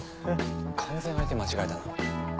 完全相手間違えたな。